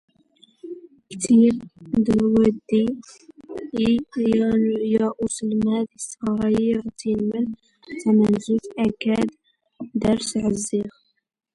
ⴽⵯⵜⵉⵖ ⴷ ⴰⵡⴷⴷⵉ ⵢⴰ ⵓⵙⵍⵎⴰⴷ ⵉⵙⵙⵖⵔⴰ ⵉⵢⵉ ⵖ ⵜⵉⵏⵎⵍ ⵜⴰⵎⵏⵣⵓⵜ ⴰⴽⴰⴷ ⴷⴰⵔⵙ ⵄⵣⵣⵉⵖ.